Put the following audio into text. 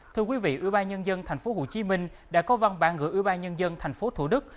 thưa quý vị ủy ban nhân dân tp hcm đã có văn bản gửi ủy ban nhân dân tp thủ đức